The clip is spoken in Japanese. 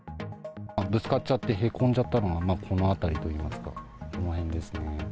ぶつかっちゃってへこんじゃったのがこの辺りといいますか、この辺ですね。